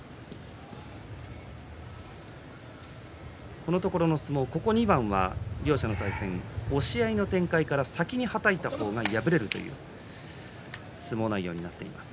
このところの相撲ここ２番は両者の対戦押し合いの展開から先にはたいた方が敗れるという相撲内容になっています。